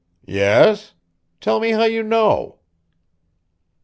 "Yes? Tell me how you know."